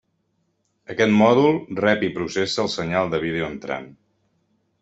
Aquest mòdul rep i processa el senyal de vídeo entrant.